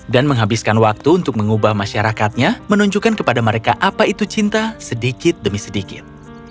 dan menghabiskan waktu untuk mengubah masyarakatnya menunjukkan kepada mereka apa itu cinta sedikit demi sedikit